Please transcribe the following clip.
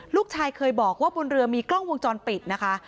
ลูกชายเคยบอกว่าบนเรือมีกล้องวงจรปิดนะคะ